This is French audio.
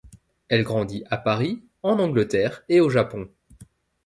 Elle grandit à Paris, en Angleterre et au Japon.